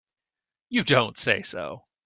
You don't say so!